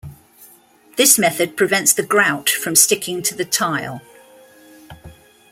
This method prevents the grout from sticking to the tile.